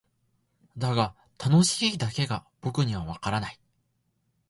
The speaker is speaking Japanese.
だが「楽しい」だけが僕にはわからない。